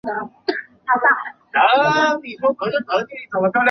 这样的用水会造成严重的经济和生态方面的影响。